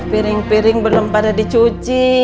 piring piring belum pada dicuci